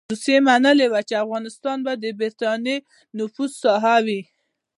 روسيې منلې وه چې افغانستان به د برټانیې د نفوذ ساحه وي.